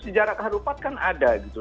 sejarah harupat kan ada gitu